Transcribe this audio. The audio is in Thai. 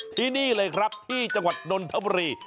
ที่นี่เลยครับที่จังหวัดนนทบุรี